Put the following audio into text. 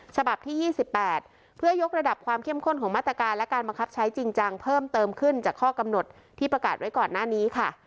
ฉบับที่๒๘เพื่อยกระดับความเข้มข้นของมาตรการและการบังคับใช้จริงจังเพิ่มเติมขึ้นจากข้อกำหนดที่ประกาศไว้ก่อนหน้านี้ค่ะ